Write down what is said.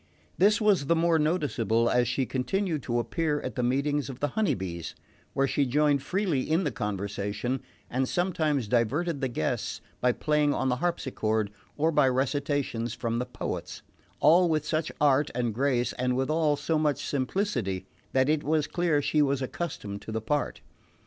This was the more noticeable as she continued to appear at the meetings of the Honey Bees, where she joined freely in the conversation, and sometimes diverted the guests by playing on the harpsichord or by recitations from the poets; all with such art and grace, and withal so much simplicity, that it was clear she was accustomed to the part.